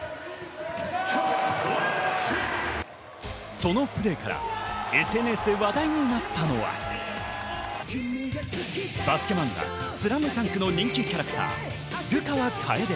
そのプレーからＳＮＳで話題になったのは、バスケ漫画『ＳＬＡＭＤＵＮＫ』の人気キャラクター、流川楓。